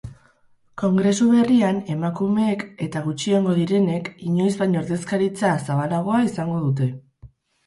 Kongresu berrian emakumeek eta gutxiengo direnek inoiz baino ordezkaritza zabalagoa izango dute.